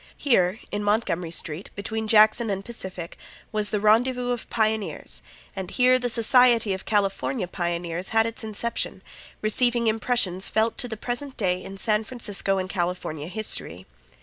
Here, in Montgomery street, between Jackson and Pacific, was the rendezvous of pioneers, and here the Society of California Pioneers had its inception, receiving impressions felt to the present day in San Francisco and California history.